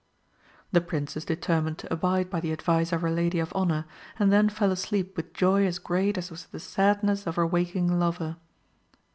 The Princess determined to abide by the advice of her lady of honour, and then fell asleep with joy as great as was the sadness of her waking lover.